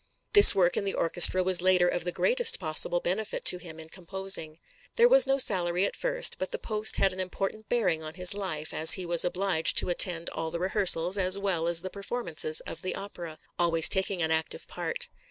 This work in the orchestra was later of the greatest possible benefit to him in composing. There was no salary at first, but the post had an important bearing on his life, as he was obliged to attend all the rehearsals as well as the performances of the opera, always taking an active part.